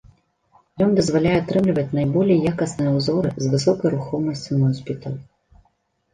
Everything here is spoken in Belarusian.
Ён дазваляе атрымліваць найболей якасныя ўзоры з высокай рухомасцю носьбітаў.